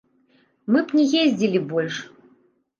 Мы б не ездзілі больш.